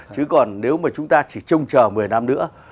chứ còn nếu mà chúng ta chỉ trông chờ một mươi năm nữa